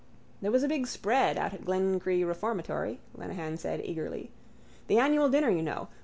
—There was a long spread out at Glencree reformatory, Lenehan said eagerly. The annual dinner, you know.